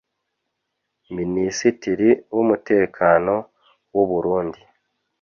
Minisitiri w’umutekano w’Uburundi